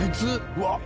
うわっ！